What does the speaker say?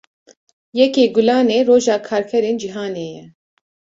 Yekê Gulanê, roja karkerên cîhanê ye